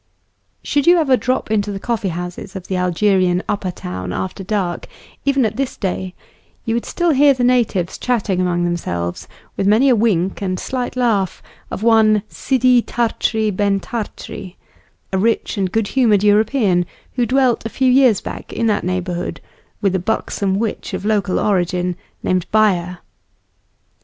SHOULD you ever drop into the coffee houses of the Algerian upper town after dark, even at this day, you would still hear the natives chatting among themselves, with many a wink and slight laugh, of one Sidi Tart'ri Ben Tart'ri, a rich and good humoured European, who dwelt, a few years back, in that neighbourhood, with a buxom witch of local origin, named Baya.